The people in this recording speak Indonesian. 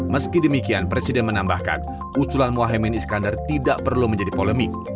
meski demikian presiden menambahkan usulan mohaimin iskandar tidak perlu menjadi polemik